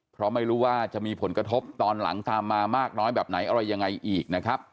เพราะไม่รู้ว่าจะมีผลกระทบตอนหลังตามมามากน้อยแบบไหนอะไรยังไงอีกนะครับ